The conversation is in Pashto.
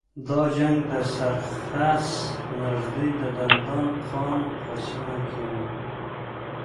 دا جنګ د سرخس نږدې د دندان قان په سیمه کې و.